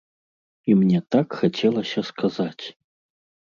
І мне так хацелася сказаць.